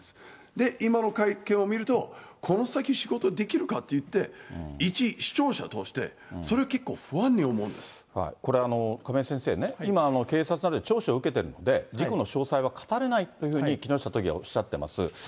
で、今の会見を見ると、この先仕事できるかっていって、いち視聴者として、これ、亀井先生ね、今、警察などで聴取を受けてるんで事故の詳細は語れないというふうに木下都議はおっしゃってます。